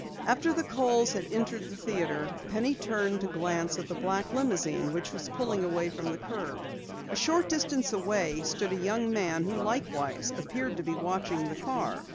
After the Kohls had entered the theatre, Penny turned to glance at the black limousine which was pulling away from the curb. A short distance away stood a young man who likewise appeared to be watching the car.